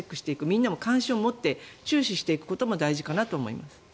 みんなも関心を持って注視していくことが大事かなと思います。